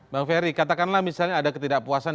bang ferry katakanlah misalnya ada ketidakpuasan